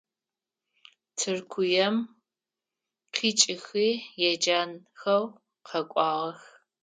Тыркуем къикIыхи еджэнхэу къэкIуагъэх.